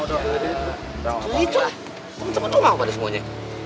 itu itu lah temen temen lo mau pada semuanya